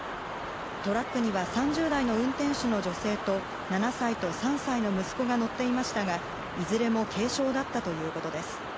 トラックには３０代の運転手の女性と７歳と３歳の息子が乗っていましたがいずれも軽傷だったということです。